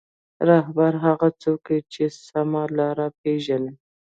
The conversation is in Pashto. رهبر هغه څوک وي چې سمه لاره پېژني.